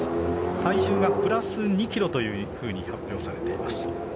体重がプラス２ｋｇというふうに発表されています。